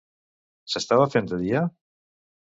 S'estava fent de dia?